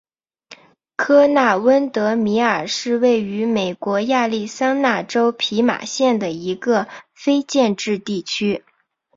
科纳温德米尔是位于美国亚利桑那州皮马县的一个非建制地区。